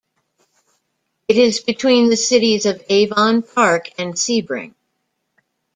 It is between the cities of Avon Park and Sebring.